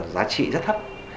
giá trị rất thấp